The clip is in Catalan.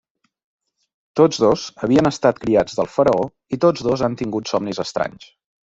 Tots dos havien estat criats del Faraó i tots dos han tingut somnis estranys.